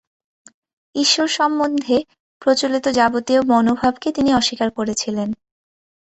ঈশ্বর-সম্বন্ধে প্রচলিত যাবতীয় মনোভাবকে তিনি অস্বীকার করেছিলেন।